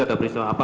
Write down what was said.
atau peristiwa apa